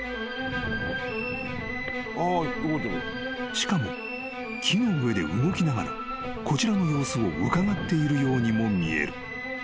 ［しかも木の上で動きながらこちらの様子をうかがっているようにも見える］